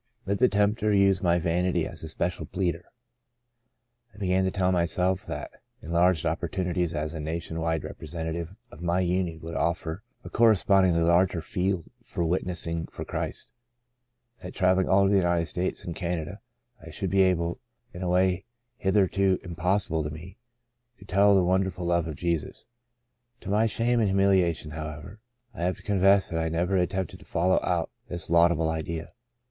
But the tempter used my vanity as a 90 Saved to Serve special pleader. I began to tell myself that enlarged opportunities as a nation wide rep resentative of my union would offer a corre spondingly larger field for witnessing for Christ— that travelling all over the United States and Canada I should be able, in a way hitherto impossible to me, to tell of the won derful love of Jesus. To my shame and hu miliation, however, I have to confess that I never attempted to follow out this laudable idea.